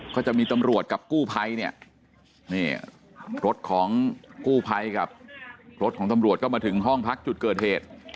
ก็จะมีตำรวจกับกู้ภัยเนี่ยนี่รถของกู้ภัยกับรถของตำรวจก็มาถึงห้องพักจุดเกิดเหตุ